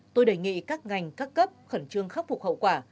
tôi đề nghị các ngành các cấp khẩn trương khắc phục hậu quả